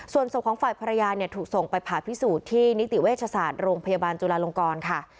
ส่วนศพของฝ่ายภรรยาเนี่ยถูกส่งไปผ่าพิสูจน์ที่นิติเวชศาสตร์โรงพยาบาลจุลาลงกรค่ะ